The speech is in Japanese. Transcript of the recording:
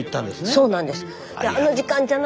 そうなんです。